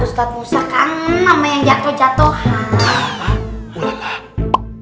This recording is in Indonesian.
ustadz musa kangen sama yang jatoh jatohan